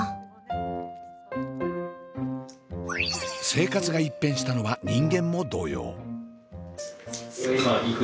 生活が一変したのは人間も同様。